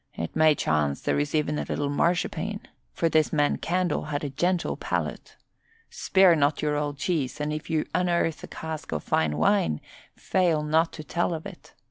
It may chance there is even a little marchpane, for this man Candle had a gentle palate. Spare not your old cheese, and if you unearth a cask of fine wine fail not to tell of it.